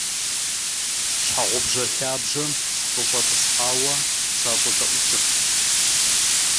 Щхьэгъубжэ лъабжьэм сыкъыкӀэщӀэтӀысхьауэ, сащӏэдэӏукӏырт.